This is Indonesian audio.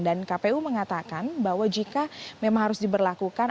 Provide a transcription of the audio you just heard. dan kpu mengatakan bahwa jika memang harus diberlakukan